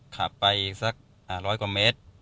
ขับไปสัก๑๐๐กว่าเมตร